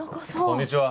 こんにちは。